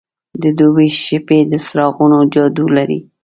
د دوبی شپې د څراغونو جادو لري.